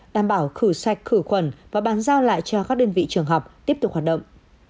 đảm bảo khử sạch khử khuẩn và bàn giao lại cho các đơn vị trường học tiếp tục hoạt động